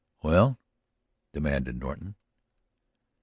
"Well?" demanded Norton.